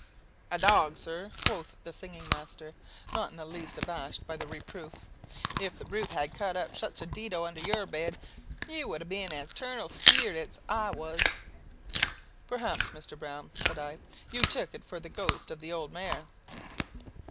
"A dog sir," quoth the singing master, not in the least abashed by the reproof. "If the brute had cut up such a dido under your bed, you would have been as 'turnal sceared as I was." "Perhaps, Mr. Browne," said I, "you took it for the ghost of the old mare?"